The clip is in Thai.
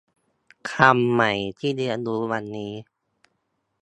คำใหม่ที่เรียนรู้วันนี้